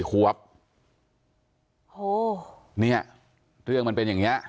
โหเฮ้ยเรื่องมันเป็นอย่างี้